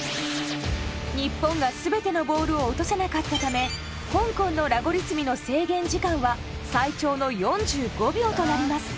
日本が全てのボールを落とせなかったため香港のラゴリ積みの制限時間は最長の４５秒となります。